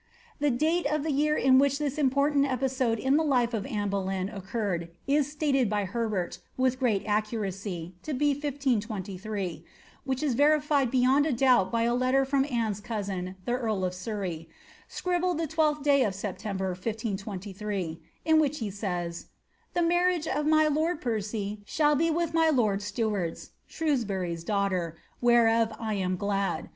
The date of the year in which this important episode in the life of Anne Boleyn occurred is stated by Herbert, with great accuracy, to be 1523, which is verified beyond a doubt by a letter from Anne's cousin, the carl of Surrey, "scribbled the 12th' day of September, 1623," in which he says, " the marriage of my lord Percy shall be with my lord Meward^s (Shrewsbury's) daughter, whereof 1 am glad.